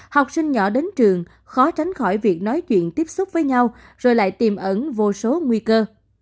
học sinh nhỏ đến trường khó tránh khỏi việc nói chuyện tiếp xúc với nhau rồi lại tìm ẩn vô số nguy cơ